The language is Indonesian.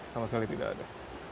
sama sekali tidak ada